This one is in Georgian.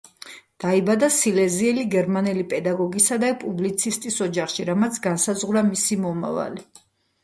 დაიბადა სილეზიელი გერმანელი პედაგოგისა და პუბლიცისტის ოჯახში, რამაც განსაზღვრა მისი მომავალი.